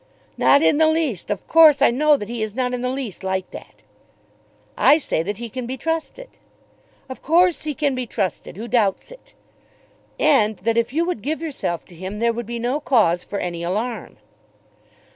"Not in the least. Of course I know that he is not in the least like that." "I say that he can be trusted." "Of course he can be trusted. Who doubts it?" "And that if you would give yourself to him, there would be no cause for any alarm."